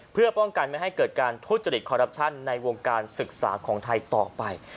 เพื่อป้องกันไม่ให้เกิดการทุจริตคอรัปชั่นในวงการศึกษาของไทยต่อไป